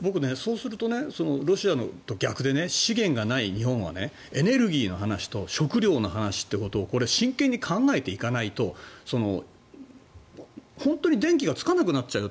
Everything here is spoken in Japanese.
僕、そうするとロシアと逆で資源がない日本はエネルギーの話と食料の話というのをこれ、真剣に考えていかないと本当に電気がつかなくなっちゃうよ